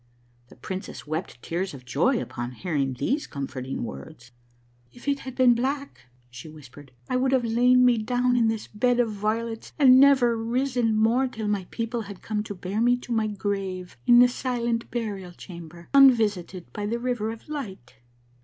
The princess wept tears of joy upon hearing these comforting words. " If it had been black," she whispered " I would have lain me down in this bed of violets and never risen more till my people had come to bear me to my grave in the silent burial chamber — unvisited by the River of Light."